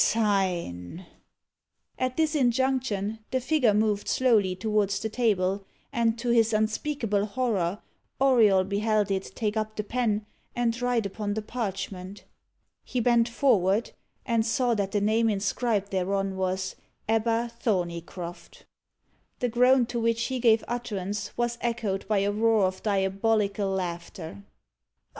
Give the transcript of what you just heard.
Sign!" At this injunction, the figure moved slowly towards the table, and to his unspeakable horror, Auriol beheld it take up the pen and write upon the parchment. He bent forward, and saw that the name inscribed thereon was EBBA THORNEYCROFT. The groan to which he gave utterance was echoed by a roar of diabolical laughter.